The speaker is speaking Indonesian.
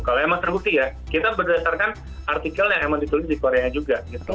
kalau emang terbukti ya kita berdasarkan artikel yang emang ditulis di koreanya juga gitu